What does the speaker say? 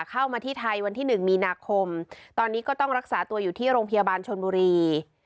เข้ามาที่ไทยวันที่๑มีนาคมตอนนี้ก็ต้องรักษาตัวอยู่ที่โรงพยาบาลชนบุรี